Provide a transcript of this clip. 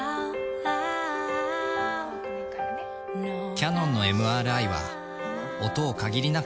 キヤノンのＭＲＩは音を限りなく